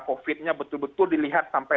covid nya betul betul dilihat sampai